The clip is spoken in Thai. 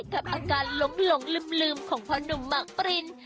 กับอาการล้มหลงลืมของพ่อหนุ่มหมากปริน